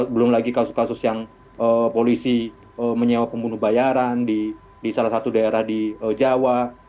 belum lagi kasus kasus yang polisi menyewa pembunuh bayaran di salah satu daerah di jawa